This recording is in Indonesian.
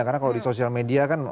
karena kalau di social media kan